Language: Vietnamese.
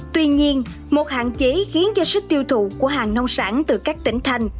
tuy nhiên một hạn chế khiến cho sức tiêu thụ của hàng nông sản từ các tỉnh thành